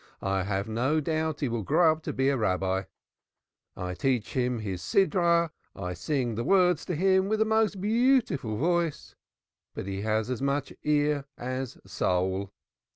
I have no doubt he will grow up to be a Rabbi. I teach him his Portion I sing the words to him with a most beautiful voice, but he has as much ear as soul.